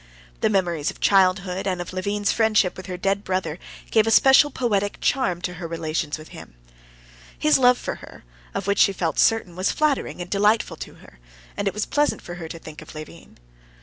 The memories of childhood and of Levin's friendship with her dead brother gave a special poetic charm to her relations with him. His love for her, of which she felt certain, was flattering and delightful to her; and it was pleasant for her to think of Levin.